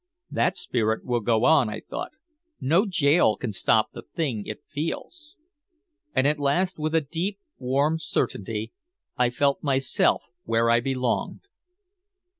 "That spirit will go on," I thought. "No jail can stop the thing it feels!" And at last with a deep, warm certainty I felt myself where I belonged.